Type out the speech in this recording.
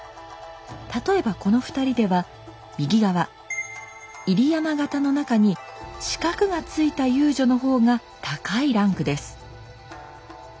例えばこの２人では右側入山形の中に四角がついた遊女の方が高いランクです。